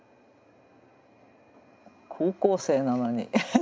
高校生なのに。